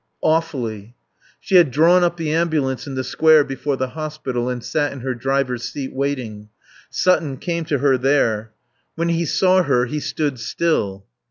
"Awfully." She had drawn up the ambulance in the Square before the Hospital and sat in her driver's seat, waiting. Sutton came to her there. When he saw her he stood still.